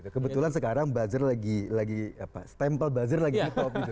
kebetulan sekarang buzzer lagi stempel buzzer lagi di topic